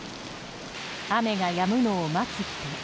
雨がやむのを待つ人。